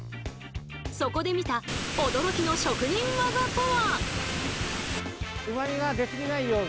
そこで見た驚きの職人ワザとは！？